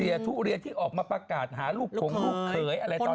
เสียทุเรียที่เอามาประกาศหาลูกถูกเขยอะไรตอนนั้น